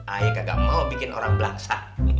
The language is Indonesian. ayah kagak mau bikin orang pelangsa